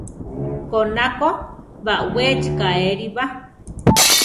Koná ko baʼwechi kaéli ba.